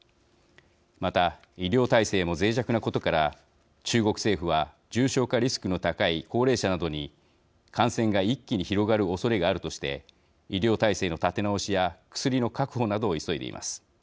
また、医療体制もぜい弱なことから中国政府は重症化リスクの高い高齢者などに感染が一気に広がるおそれがあるとして医療体制の立て直しや薬の確保などを急いでいます。